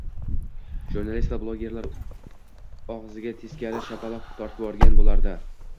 Jurnalist va blogerlar ogʻziga teskari shapaloq tortvorgan boʻlardi.